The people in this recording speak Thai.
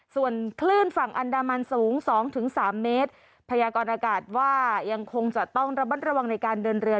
ส่วนคลื่นฝั่งอันดามันสูงสองถึงสามเมตรพยากรอากาศว่ายังคงจะต้องระมัดระวังในการเดินเรือ